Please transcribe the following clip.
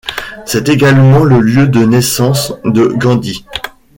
C'est également le lieu de naissance de Gandhi.